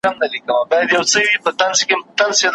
د څيړني دوام له لنډ کار اغېزمن وي.